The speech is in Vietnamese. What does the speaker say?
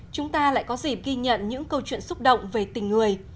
chúng ta lại có dịp ghi nhận những câu chuyện xúc động về tình người